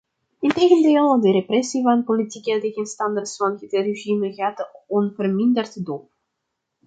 Integendeel, de repressie van politieke tegenstanders van het regime gaat onverminderd door.